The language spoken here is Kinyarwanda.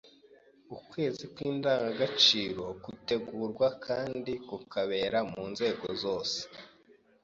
Ukwezi kw’indangagaciro kutegurwa kandi kukaberemu nzego zose